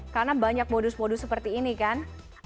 karena banyak modus modus seperti ini kan